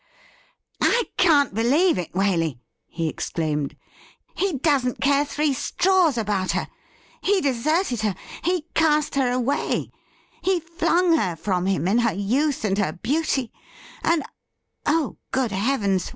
' I can't believe it, Waley,' he exclaimed. ' He doesn't care thi ee straws about her. He deserted her ; he cast her away ; he flimg her from him in her youth and her beauty ; and — oh, good heavens